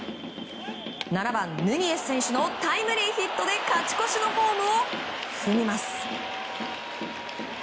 ７番、ヌニエス選手のタイムリーヒットで勝ち越しのホームを踏みます。